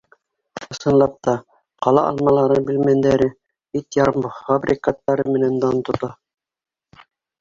Ысынлап та, ҡала алмалары, билмәндәре, ит ярымфабрикаттары менән дан тота.